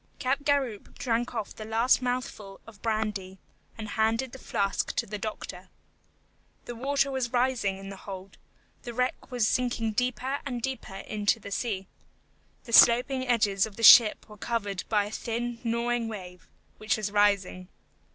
Capgaroupe drank off the last mouthful of brandy, and handed the flask to the doctor. The water was rising in the hold; the wreck was sinking deeper and deeper into the sea. The sloping edges of the ship were covered by a thin gnawing wave, which was rising.